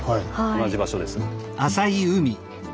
同じ場所です。